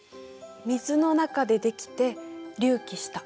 水の中でできて隆起した。